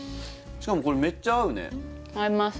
しかもこれめっちゃ合うね合います